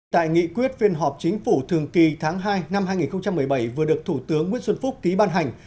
tại nghị quyết phiên họp chính phủ thường kỳ tháng hai năm hai nghìn một mươi bảy vừa được thủ tướng nguyễn xuân phúc ký ban hành